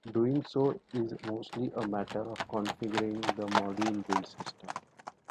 Doing so is mostly a matter of configuring the module build system.